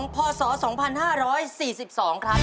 พศ๒๕๔๒ครับ